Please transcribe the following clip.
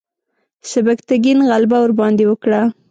سبکتګین غلبه ورباندې وکړه.